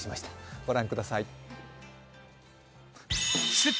ご覧ください。